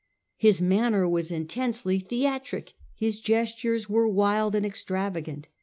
His manner was intensely theatric; his gestures were wild and extravagant.